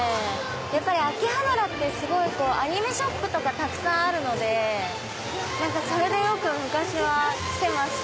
秋葉原ってアニメショップとかたくさんあるのでそれでよく昔は来てました。